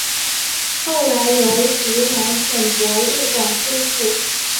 后来由湖南省博物馆修复。